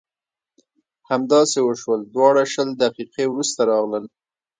همداسې وشول دواړه شل دقیقې وروسته راغلل.